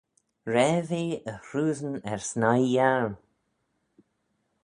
Raip eh e hroosyn er snaie-yiarn.